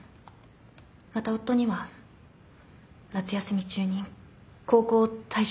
また夫には夏休み中に高校を退職していただきます。